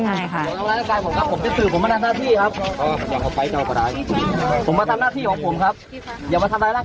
กรมป้องกันแล้วก็บรรเทาสาธารณภัยนะคะ